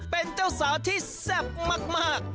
เป็นเจ้าสาวที่แซ่บมาก